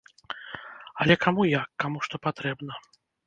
Але каму як, каму што патрэбна.